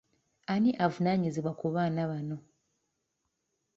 Ani avunaanyizibwa ku baana bano?